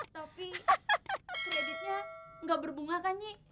tapi kreditnya nggak berbunga kan nyi